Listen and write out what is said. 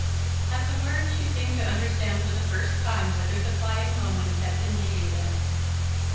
At the word she seemed to understand for the first time whither the flying moments had been leading them.